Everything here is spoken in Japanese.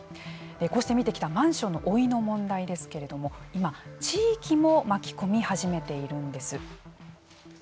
こうして見てきたマンションの老いの問題ですけれども今、地域も巻き込み始めているんです。